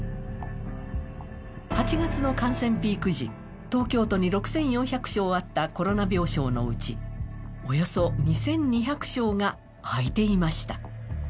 ８月の感染ピーク時、東京都に６４００床あったコロナ病床のうちおよそ２２００床が空いていました。